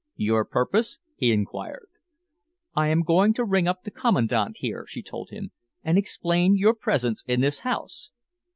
"Your purpose?" he enquired. "I am going to ring up the Commandant here," she told him, "and explain your presence in this house."